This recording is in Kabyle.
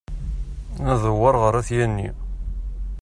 Ad ndewwer ɣer At Yanni.